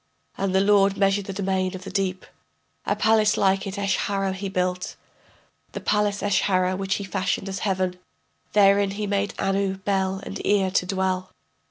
And the lord measured the domain of the deep, A palace like it, Eshara, he built, The palace Eshara which he fashioned as heaven. Therein made he Anu, Bel, and Ea to dwell.